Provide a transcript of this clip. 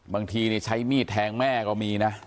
บางทีใช้มีดแทงแม่ก็มีนะ